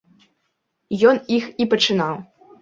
Ён іх і пачынаў.